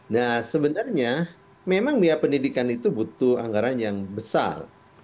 nah sebenarnya memang biaya pendidikan itu butuh anggaran yang besar